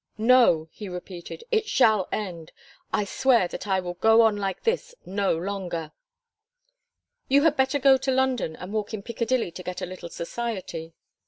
"No," he repeated, "it shall end. I swear that I will go on like this no longer." "You had better go to London and walk in Piccadilly to get a little society."